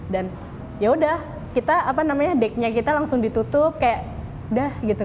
dan ya udah kita apa namanya decknya kita langsung ditutup kayak dah gitu